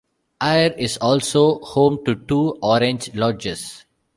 Ayr is also home to two Orange Lodges.